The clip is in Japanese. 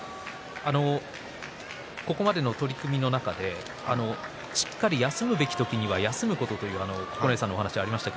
ここまでの取組の中でしっかり休む時には休むという九重さんが話がありました。